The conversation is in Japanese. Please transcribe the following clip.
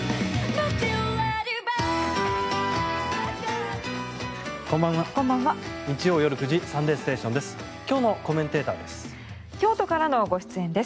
日曜夜９時「サンデーステーション」です。